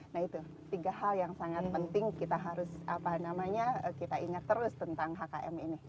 nah itu tiga hal yang sangat penting kita harus ingat terus tentang hkm ini